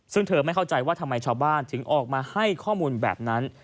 ซึ่งเธอไม่เข้าใจว่าทำไมชาวบ้านถึงออกมาให้ข้อมูลแบบนั้น